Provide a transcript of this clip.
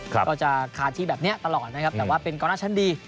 ก็จะคาที่แบบนี้ตลอดนะครับแต่ว่าเป็นกองหน้าชั้นดี